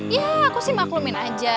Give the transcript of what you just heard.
ya aku sih maklumin aja